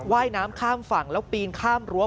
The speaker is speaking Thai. ว่ายน้ำข้ามฝั่งแล้วปีนข้ามรั้ว